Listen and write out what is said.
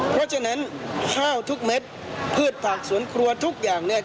เพราะฉะนั้นข้าวทุกเม็ดพืชผักสวนครัวทุกอย่างเนี่ย